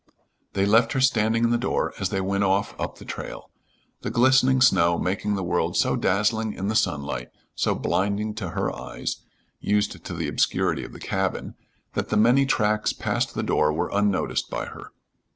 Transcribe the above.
They left her standing in the door as they went off up the trail, the glistening snow making the world so dazzling in the sunlight, so blinding to her eyes, used to the obscurity of the cabin, that the many tracks past the door were unnoticed by her.